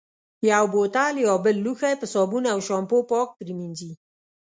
یو بوتل یا بل لوښی په صابون او شامپو پاک پرېمنځي.